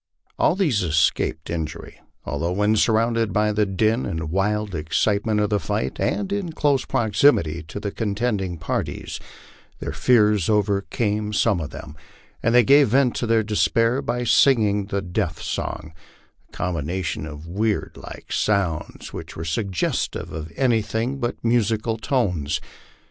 All these escaped in jury, although when surrounded by the din and wild excitement of the fight, and in close proximity to the contending parties, their fears overcame some of them, and they gave vent to their despair by singing the death song, a combi nation of weird like sounds which were suggestive of anything but musical tones.